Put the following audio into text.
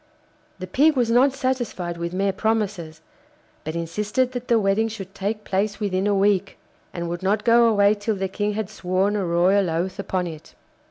The Pig was not satisfied with mere promises, but insisted that the wedding should take place within a week, and would not go away till the King had sworn a royal oath upon it.